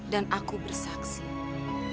dan aku bersaksi